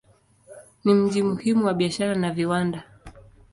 Ni mji muhimu wa biashara na viwanda.